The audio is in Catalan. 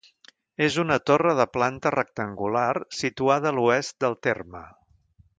És una torre de planta rectangular, situada a l'oest del terme.